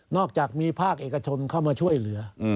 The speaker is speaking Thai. อกจากมีภาคเอกชนเข้ามาช่วยเหลือ